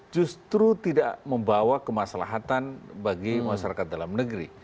justru tidak membawa kemaslahatan bagi masyarakat dalam negeri